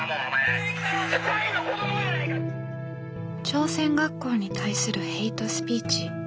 朝鮮学校に対するヘイトスピーチ。